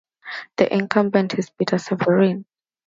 The incumbent is Peter Severin.